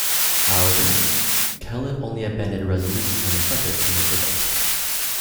However, Kellett only abandoned "Resolute" and "Intrepid" under protest.